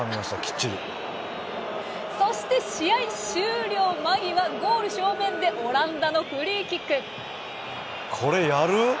そして、試合終了間際ゴール正面でオランダのフリーキック。